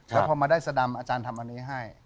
แล้วพอมาได้สดำอาจารย์ทำอันนี้ให้